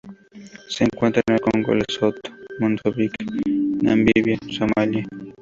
Se encuentra en el Congo, Lesoto, Mozambique, Namibia, Somalia.